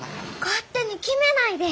勝手に決めないで。